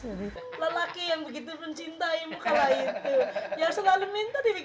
lelaki yang begitu mencintai muka lain tuh yang selalu minta dibikin gini kopi